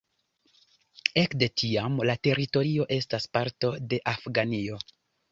Ekde tiam la teritorio estas parto de Afganio.